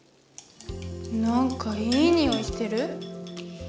なんかいいにおいしてる？